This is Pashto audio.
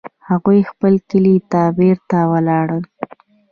هغوی خپل کلي ته بیرته ولاړل